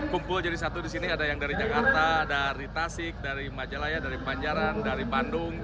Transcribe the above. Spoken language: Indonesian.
kumpul jadi satu di sini ada yang dari jakarta dari tasik dari majalaya dari panjaran dari bandung